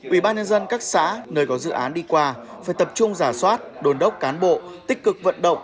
ủy ban nhân dân các xã nơi có dự án đi qua phải tập trung giả soát đồn đốc cán bộ tích cực vận động